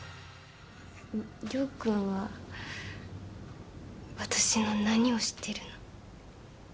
亮君は私の何を知っているの？